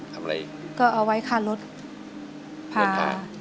ทำอะไรอีกก็เอาไว้ค่ารถรถหา